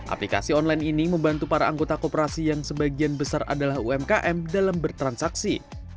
aplikasi online ini membantu para anggota koperasi yang sebagian besar adalah umkm dalam bertransaksi